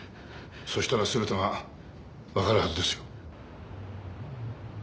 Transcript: そしたら全てがわかるはずですよ。